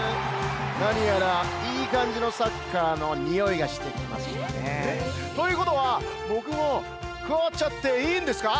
なにやらいいかんじのサッカーのにおいがしてきましたね。ということはぼくもくわわっちゃっていいんですか？